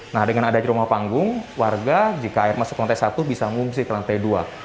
nah dengan adanya rumah panggung warga jika air masuk ke lantai satu bisa mengungsi ke lantai dua